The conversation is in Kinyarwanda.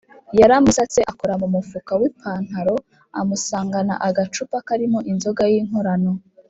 yaramusatse akora mu mufuka w’ipantaro amusangana agacupa karimo inzoga y'inkorano.